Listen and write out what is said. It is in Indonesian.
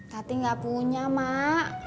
tati gak punya mak